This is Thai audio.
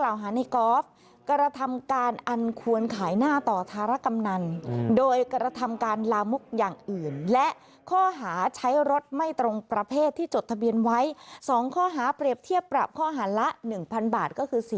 อาหารละ๑๐๐๐บาทก็คือเสียไป๒๐๐๐บาท